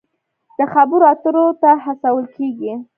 د خبرو اترو ته هڅول کیږي.